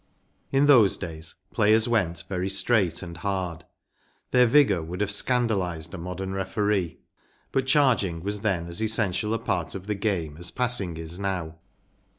In those days players went very straight and hard; their vigour would have scandalized a modern referee; but charging was then as essential a part of the game as passing is now.